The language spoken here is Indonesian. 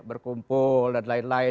berkumpul dan lain lain